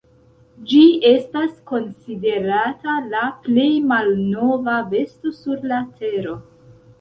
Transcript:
Ĝi estas konsiderata la plej malnova besto sur la Tero.